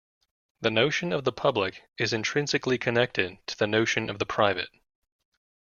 The notion of the public is intrinsically connected to the notion of the private.